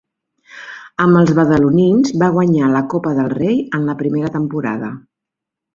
Amb els badalonins va guanyar la Copa del Rei en la primera temporada.